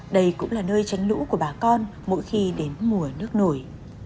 đây cũng là nơi tránh lũ của bà con mỗi khi đến mùa nước nổi